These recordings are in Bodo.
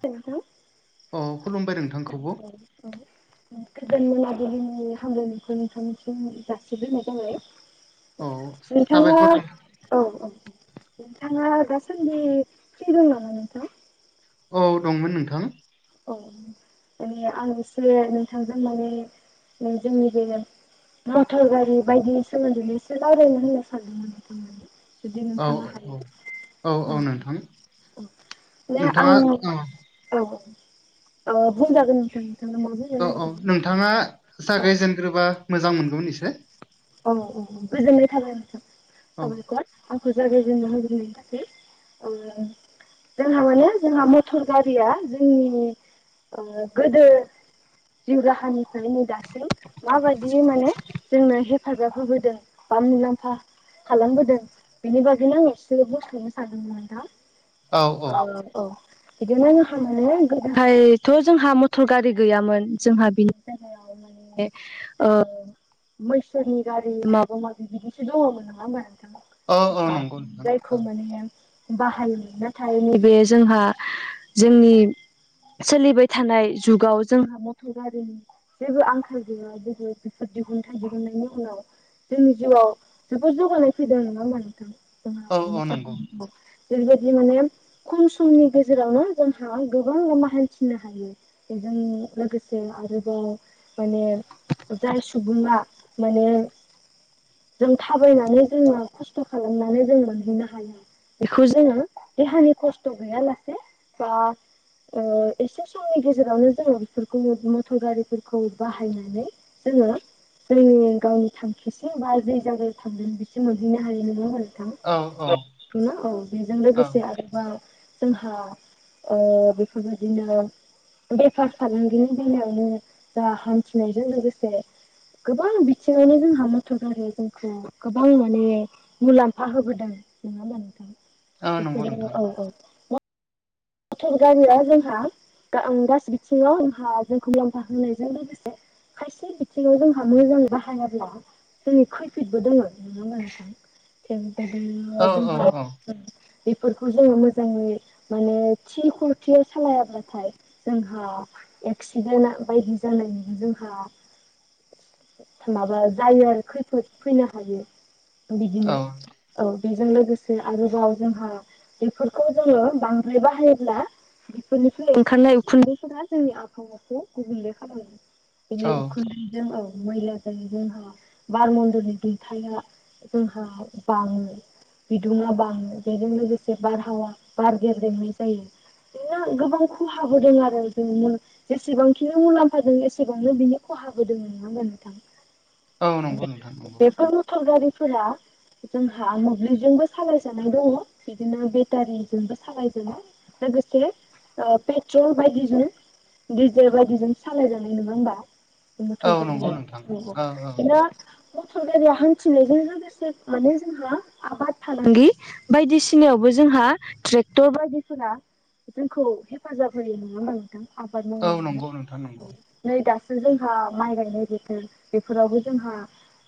हेलौ औ खुलुमबाय नोंथां नोंथांखौबो गोदान मोनाबिलिनि हाम्रायनायुखौ नोंथांनिसिम जासिग्रोनाय जाबाय औ नोंथाङा साबायखर नोंथां। औ औ नोंथाङा दासान्दि फ्रि दं नामा नोंथां औ दंमोन नोंथां औ माने आं एसे नोंथांजों माने न जोंनि बे मटर गारि बायदि सोमोन्दै एसे रावज्लायनो होनो सानदोंमोन ना जुदि औ नोंथांनो औ औ हायो औ नोंथां दे नोंथाङा आं। औ औ। अ भुल जागोन नां माब औ औ नोंथाङा जागायजेनग्रोबा मोजां मोनगौ एसोर। अ अ गोजोनै थाबाय औ साबायर आंखौ जागाय जेननो हसै जोंहा माने जोंहा मटर गारिया जोंनि गोदो जिउ राहानिफ्राय नै दासिम माबायदि माने जोंनो हे फाजा होबोदों बा मुलाम्फा खालामबोदों बेनि बागैनो आं एसे बुसथ'नो सानदोंमोन दा औ औ। बिदि गायथ' जोंहा मथर गारि गैयामोन जोंहा बिनि जायगायाव माने आ मैसोनि गारि माबा माबि बिदिसो दङमोन नामा होमबा औ औ नोंथां। नंगौ नोंथां जायखौ औ माने बाहाया। नैबे जोंहा जोंनि सोलिबाय थानाय जुगाव जोंहा मटर गारिनि जेबो आंखाल ज बेबो बिफोर दिहुनथाइ दिहुननायनि उनाव जोंनि जिउआव जोबोद जौगानाय फैदों नङा होमबा औ औ नंगौ नोंथां। मदि माने। खम समनि गेजेरावनो जोंहा गोबां लामा हान्थिनो हायो। बेजों लोगोसे आरोबाव माने। जाय सुबुङा माने। जों थाबायनानै जोङो खस्थ' खालामनानै जों मोनहैनो हायो बेखौ जोङो। बे हानि खस्थ' गैयालासे बा एसे समनि गेजेरावनो जोङो बेफोरखौ मटर गारिफोरखौ बाहायनानै। नङा। जोंनि गावनि थांखिसिम बा जे जायगायाव थांगनानै बिस मोनहैनो हायो नङा औ औ आरो। ङा औ बेजों औ लोगोसे आरोबाव जोंहा बेफोरबायदिनो। बेफार फालांगिनि बेलायावनो जा हान्थिनायजों लोगोसे। गोबां बिथिङावनो जोंहा मदद जायो जोंखौ गोबां माने। मुलाम्फा होबोदों नङा होमबा नोंथां औ नंगौ नोंथां बेफोरो औ औ मटर गारिया जोंहा गासै बिथिङावहा जोंखौ मुलाम्फा होनायजों लोगोसे खायसे बिथिङाव जोंहा मोजां बाहायाब्ला। जोंनि खैफिदबो दोङो नुनो मोनस थिग द औ औ जोंहा औ बेफोरखौ जोङो मोजाङै माने। थि खुरथि सालायाब्लाथाय जोंहा। एक्सिडेन्ट बायदि जानायनि जोंहा। माबा जायो आरो खैफोद फैनो हायो बिदिनो। औ औ बेजों लोगोसे आरोबाव जोंहा बेफोरखौ जोङो बांद्राय बाहायो। ब्ला बेफोरनिफ्राय ओंखारनाय उखुन्दैफोरा जोंनि आबहावाखौ गुबुंले खालामो। बेनि औ उखुन्द्रिजों औ मैला। जै जोंहा बार मन्दलिनि दैैथाया जोंहा बाङो। बिदुङा बां बेजों लोगोसे बारहावा बारगेरजोंनाय जायो। बिदिनो गोबां खहााबोदों आरो जों जेसेबांखिनि मुलाम्फा द एसेबांनो बिनि खहाबो दङ नङा होना औ नोंथां। नंगौ नोंथां नंगौ बेफोर मटर गारिफोरा जोंहा मोब्लिबजोंबो सालायजानाय दङ बिदिनो बेटारिजोंबो सालायजा ना गसे पेट्रल बाय गिजल गेजेर बायदिजों सालायजानाय नङा होमबा औ थारि नंगौ नोंथां औ औ बेनो बोथ' गारिया हान्थिनायजों लोगोसे माने जोंहा आबाद फालांगि बायदिसिनायावबो जोंहा ट्रेक्टर बायदिसिना फोरा जोंखौ हेफाजाब होयो नङा होमा नोंथां आबाद औ नंगौ नोंथां नंगौ मावनायावनो नै दासो जोंहा माइ गायनाय बोथोर बेफोराबो जोंहा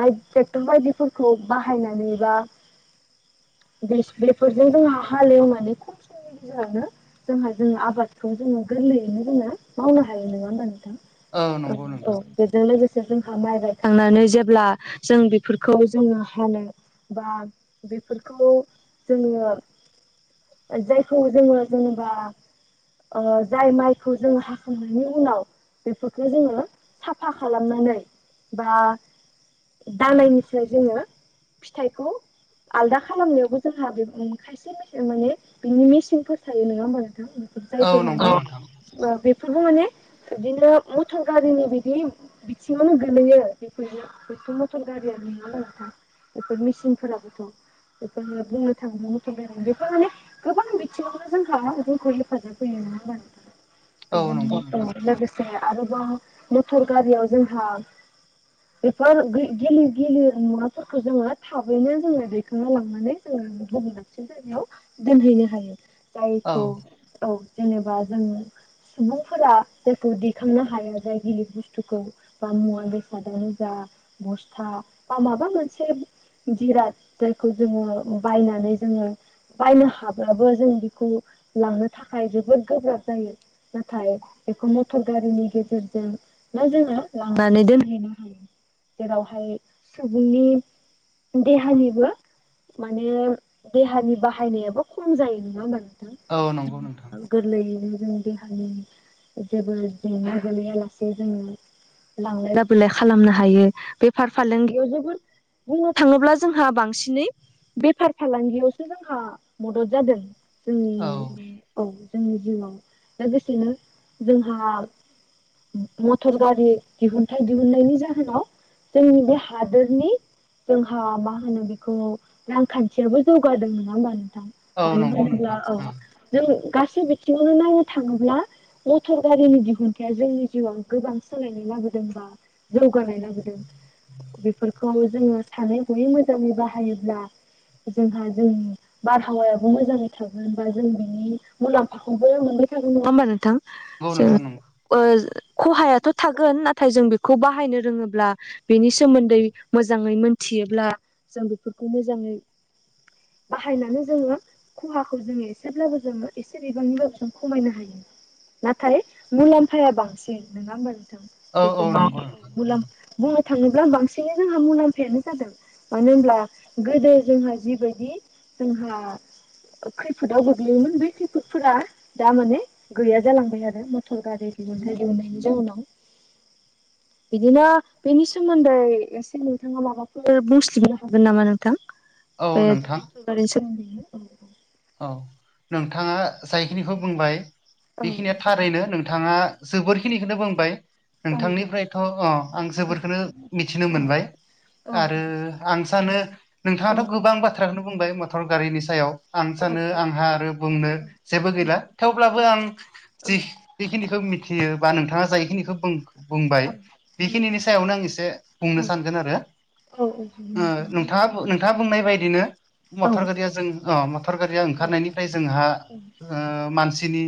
बायक ट्रेक्टर बायदिफोरखौ बाहायनानै बा बिस बेफोरजों जोंहा हालेवनानै जोङो जोंहा जोङो आबादखौ जोङो गोरलैयैनो जोङो मावनो हायो नङा होमबा नोंथां औ ओ नंगौ औ नोंथां बेजों लोगोसे जोंहा माइ गायखांनानै जेब्ला जों बेफोरखौ जोङो हानो बा बेफोरखौ जोङो ओ जाय खौ जोङो जेनोबा ओ जाय माइखौ जोङो हाखांनायनि उनाव बेफोरखौ जोङो साफा खालामनानै बा दानायनिसो जोङो फिथाइखौ आलदा खालामनायावबो जोंहा बे उम खायसे ओ माने बिनि मेसिनफोर थायो नङा होमबा नोंथां बेफोर औ जायफोर माने नंगौ नोंथां ओ बेफोरबो माने इदिनो मथर गारिनि बिदि बिथिंआव गोलैयो बेफोर बेथ' मथ'र गारिआ नङा होमबा नोंथां बेफोर मेसिनफोराबोथ' बेफोर बुंनो थाङोब्ला मथर' गारि बेफोर माने गोबां बिथिंआवबो जोंहा जोंखौ हेफाजाब होयो नङा नोंथां औ जोंनि ओ नंगौ नोंथां औ लोगोसे सेह आरोबाव मटर गारिआव जोंहा बेफोर गो गिलिर गिलिर मुवाफोरखौ जोङो थाबैनो जोङो दैखांना लांनानै जोङो दोन्दों जायगायाव दोनहैनो हायो औ जायखौ औ जेनोबा जोङो सुबुंफोरा जायखौ दैखांनो हायो जाय गिलिर बुस्थुखौ बा मुवा बेसादानो जा बस्था बा माबा मोनसे जिराद जायखौ जोङो बायनानै जोङो बायनो हाब्लाबाबो जों बेखौ लांनो थाखाय जोबोद गोब्राब जायो नाथाय बेखौ मटर गारिनि गेजेरजों ना जोङो लांनानै दोनहैनो हायो जेरावहाय सुबुंनि देहानिबो माने देहानि बाहाय बाहायनायाबो खम जायो नङा होमबा नोंथां औ नोंगौ नोंथां गोरलैयैनो जों देहानि जेबो जेंना गोलैया लासे जोङो लांलाय लाबोलाय खालामनो हायो बेफार फालांगिआव जोबोद बुंनो थाङोब्ला जोंहा बांसिनै बेफार फालांगिआवसो जों औ मदथ जादों जोंनि औ औ जोंनि जिउआव लोगोसेनो जोंहा मटर गारि दिहुनथाइ दिहुननायनि जाहोनाव जोंनि बे हादोरनि जोंहा मा होनो बेखौ रांखान्थिआबो जौगादों नङा होमबा नोंथां औ मानो नंगौ होनोब्ला नोंथां औ ओं जों गासै बिथिंआवनो नायनो थाङोब्ला मटर गारिनि दिहुनथाइआ जोंनि जिउआव गोबां सालायनो लाबोदोंबा जौगानाय नागोरदों बेफोरखौ जोङो सानै हयै मोजाङै बाहायोब्ला जोंहा जोंनि बारहावायाबो मोजाङै थागोन बा जों बिनि मुलाम्फाखौबो मोनबाय थागोन नङा होमबा नोंथां औ नोंथां नोंगौ ओह खहायाथ' थागोन नाथाय जों बेखौ बाहायनो रोङोब्ला बेनि सोमोन्दै मोजाङै मोनथियोब्ला जों बेफोरखौ मोजाङै बाहायनानै जोङो खहाखौ जोङो एसेब्लाबो जोङो एसे बिबांनिब्लाबो जों खमायनो हायो नाथाय मुलाम्फाया बांसिन नङा होमबा नोंथां औ औ नंगौ बेफोरनि नोंथां ओं मुलाम बुंनो थाङोब्ला बांसिनै जोंहा मुलाम्फायानो जादों मानो होनब्ला गोदो जोंहा जिबायदि जोंहा खैफोदाव गोग्लैयोमोन बै खैफोदफोरा दा माने गैया जालांबाय आरो मटर गारि दिहुनथाय दिहुननायनि जाउनाव बिदिनो बेनि सोमोन्दै एसे नोंथाङा माबाफोर बुंस्लिबनो हागोन नामा नोंथां औ नोंथां [unintelligible] औ नोंथाङा जायखिनिखौ बुंबाय औ बेखिनिया थारैनो नोंथाङा जोबोरखिनिखौनो बुंबाय औ औ नोंथांनिफ्रायथ' अ आं जोबोरखौनो मिथिनो औ मोनबाय औ आरो आं सानो नोंथाङाथ' गोबां बाथ्राखौनो बुंबाय मटर गारिनि सायाव आं औ सानो आंहा आरो बुंनो जेबो गैला थेवब्लाबो औ आं औ जि खिनिखौ मिथियो बा नोंथाङा जायखिनिखौ बुंबाय औ बेखिनिनि सायावनो आं एसे बुंनो सानगोन आरो औ औ नोंथां रायज्लायनो। नोंथाङा नोंथाङा बुंनाय बायदिनो मटर गारिया जों मटर गारिया ओंखारनायनिफ्राय जोंहा ओ मानसिनि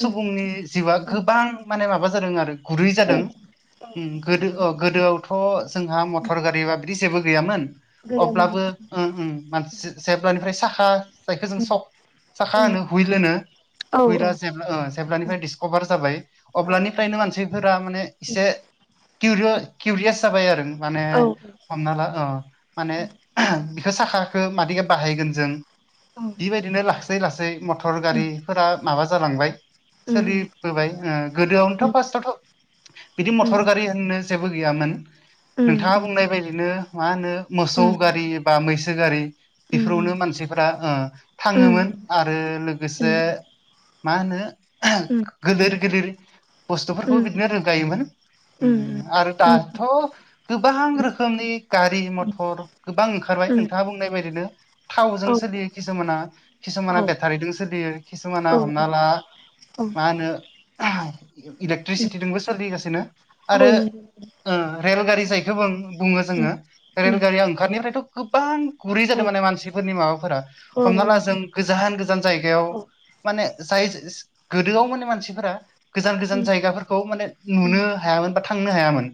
उम सुबुंनि जिउआ उम गोबां माने माबा जादों आरो गुरै औ जादों गोदो गोदोआव थ' जोंहा मथर गारि बा बिदि जेबो गैयामोन गैयामोन अब्लाबो ओं ओं [unintelligible] जेब्लानिफ्राय साखा जायखौ जों सक साखा उम होनो हुइल होनो औ हुइला जेब्ला जेब्लानिफ्राय डिसकभार जाबाय अब्लानिफ्रायनो मानसिफोरा माने एसे किउरियास जाबाय आरो माने औ हमना ला माने बिखौ साखाखौ मादि बाहायगोन जों बेबायदिनो लासै लासै मथर उम गारिफोरा माबा जालांबाय उम उम सोलि बोबाय गोदोआवनोथ' फार्स्टआवथ' बिदि उम उम मटर गारि होननो जेबो गैयामोन नोंथाङा बुंनाय बायदिनो मा होनो मोसौ गारि बा मैसो गारि बेफोरावनो मानसि फोरा थाङोमोन आरो लोगोसे मा होनो गोदोर गिदिर बुस्थुफोरखौ बिदिनो रोगायोमोन ओम आरो दाथ' गोबां रोखोमनि गारि मथर गोबां ओंखारबाय नोंथाङा बुंनाय बायदिनो औ थावजों सोलियो किसुमाना किसुमाना औ बेटारिजों सोलियो किसुमाना औ हमना ला मा होनो इलेक्ट्रिसिटिजोंबो सोलिगासिनो आरो नंगौ रेलगारि जायखौ बुङो उम जोङो उम रेलगारि ओं ओंखारनिफ्रायथ' गोबां गुरै औ जादों माने मानसिफोरनि माबा फोरा औ औ हमना ला उम जों गोजान गोजान जायगायाव माने जाय गोदोआव माने मानसिफोरा गोजान गोजान जायगाफोरखौ माने नुनो हायामोन बा थांनो हायामोन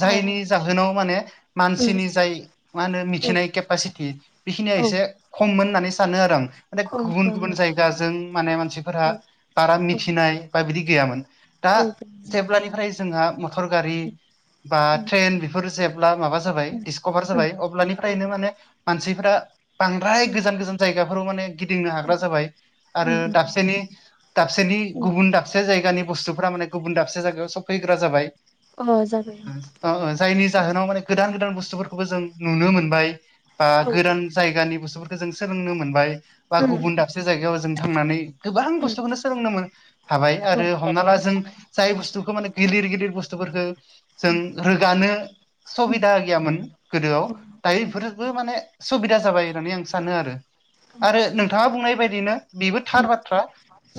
जायनि जाहोनाव माने मानसिनि जाय मा होनो उम मिथिनाय केपासिटि बेखिनिया औ एसे खममोन होननानै सानो आरो आं माने खम गुबुन खम गुबुन जायगाजों माने मानसिफोरा औ बारा मिथिनाय बा बिदि गैयामोन दा औ जेब्लानिफ्राय जोंहा मथर गारि बा उम ट्रेन बेफोरो जेब्ला माबा जा बाय उम दिसकभार जाबाय अब्लानिफ्रायनो माने मानसिफोरा फ्राय उम गोजान गोजान जायगाफोराव माने गिदिंनो हाग्रा जाबाय आरो उम दाबसेनि दाबसेनि उम गुबुन दा दाबसे जायगानि बुस्थुफ्रा माने गुबुन दाबसे जायगायाव सफैग्रा जाबाय। ओ जाबाय। जायनि जाहोनाव माने गोदान गोदान बुस्थुफोरखौबो जों नुनो मोनबाय। बा उम गोदान जायगानि बुस्थुफोरखो जों सोलोंनो मोनबाय बा उम उम गुबुन दाबसे जायगायाव जों थांनानै गोबां बुस्थुखौनो सोलोंनो हाबाय आरो उम हमना ला जों जाय बुस्थुखौ माने गिलिर गिदिर बुस्थुफोरखौ जों रोगानो उम सुबिदा गैयामोन गोदोआव दायो बेफोरबो माने सुबिदा जाबाय होननानै आं सा सानो आरो आरो नोंथाङा बुंनाय बायदिनो बेबो थार बाथ्रा।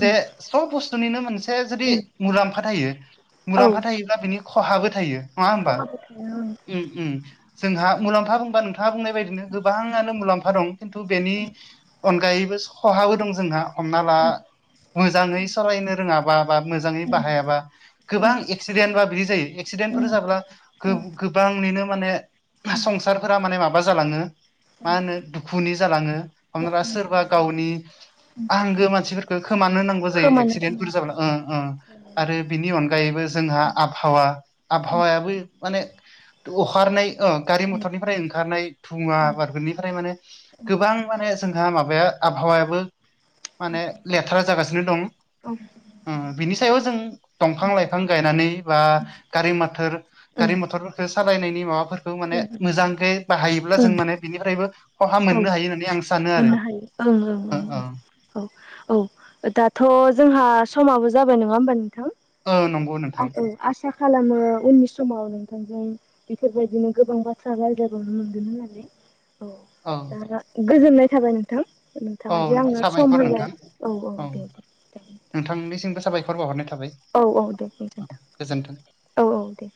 जे सब बुस्थुनिनो मोनसे जुदि उम मुलाम्फा थायो औ मुलाम्फा थायो। बिनि खहाबो थायो। खहाबो थायो ओं। ओम-ओम जोंहा मुलाम्फा बुंबा नोंथाङा बुंनाय बायदिनो गोबाङानो मुलाम्फा दं खिन्थु बेनि अनगायैबो खहाबो दं जोंहा हमना ला मोजाङै सालायनो रोङा बा बा मोजाङै उम बाहायाबा गोबां उम एक्सिदेन बा बिदि जायो एक्सिदेनफोर उम जाब्ला उम गो गोबांनिनो माने संसारफोरा माने माबा जालाङो मा होनो दुखुनि जालाङो हमना ला उम सोरबा गावनि आंगो मानसिफोरखौ खोमानो होनांगौ जायो खोमानो एक्सिडेन्टफोर जाब ओं ओं। आरो बिनि अनगायैबो जोंहा आबहावा आबहावायाबो माने अखारनाय गारि मथरनिफ्राय ओंखारनाय थुवाबारफोरनिफ्राय माने गोबां माने जोंहा माबाया आबहावायाबो माने लेथारा जागासिनो दं। औ बिनि सायाव जों दंफां लाइफां गायनानै बा गारि मथर उम गारि मथर सालायनायनि माबाफोरखौ माने मोजांके बाहायोब्ला जों उम माने बिनिफ्रायबो खहा औ मोननो हायो होननानै आं सानो आरो औ। औ-औ दाथ' जोंहा समाबो जाबाय नङा होमबा नोंथां। ओ नंगौ नोंथां। औ आसा खालामो उननि समाव नोंथांजों बेफोरबायदिनो गोबां बाथ्रा रायज्लाय बावनो मोनगोन होननानै औ। औ दा गोजोननाय थाबाय नोंथां। औ नोंथाङा जे आंनो सम साबायखर होलाय नोंथां औ औ दे दे। नोंथांनिसिमबो साबायखर बावहरनाय थाबाय औ औ दे गोजोनथों गोजोन्थों। औ औ दे